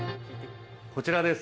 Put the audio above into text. こちらです。